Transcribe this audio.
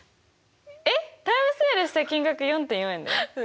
えっタイムセールした金額４．４円だよ？